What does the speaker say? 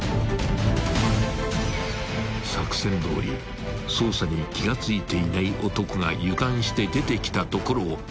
［作戦どおり捜査に気が付いていない男が油断して出てきたところを無事確保］